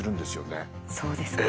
そうですか。